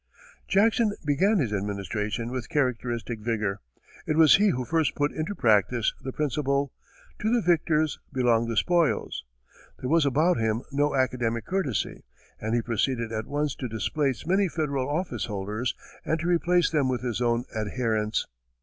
Jackson began his administration with characteristic vigor. It was he who first put into practice the principle, "To the victors belong the spoils." There was about him no academic courtesy, and he proceeded at once to displace many Federal officeholders and to replace them with his own adherents.